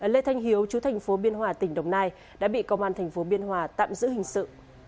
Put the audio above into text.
lê thanh hiếu chú thành phố biên hòa tỉnh đồng nai đã bị công an thành phố biên hòa tạm giữ hình sự